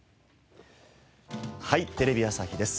『はい！テレビ朝日です』